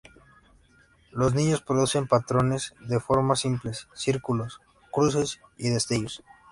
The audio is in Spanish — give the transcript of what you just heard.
Los niños producen patrones de formas simples: círculos, cruces y destellos.